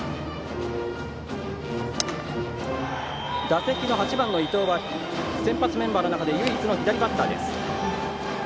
打席の８番の伊藤は先発メンバーの中で唯一の左バッターです。